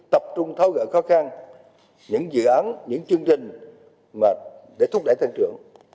tập trung tháo gỡ khó khăn những dự án những chương trình để thúc đẩy tăng trưởng